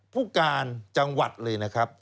ผู้การจังหวัดเลยนะครับ